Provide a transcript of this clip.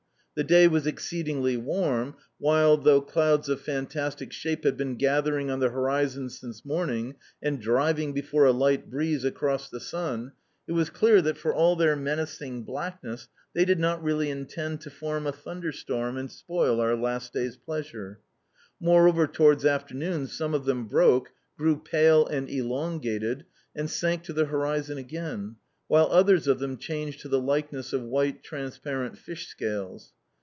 The day was exceedingly warm while, though clouds of fantastic shape had been gathering on the horizon since morning and driving before a light breeze across the sun, it was clear that, for all their menacing blackness, they did not really intend to form a thunderstorm and spoil our last day's pleasure. Moreover, towards afternoon some of them broke, grew pale and elongated, and sank to the horizon again, while others of them changed to the likeness of white transparent fish scales.